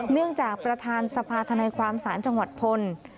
เนื่องจากประธานสภาธนาความศาลจังหวัดพล